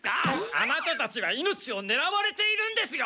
あなたたちは命をねらわれているんですよ。